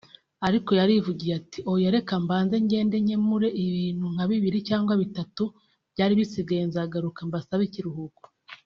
ariko yarivugiye ati “oya reka mbanze ngende nkemure ibintu nka bibiri cyangwa bitatu byari bisigaye nzagaruka mbasabe ikiruhuko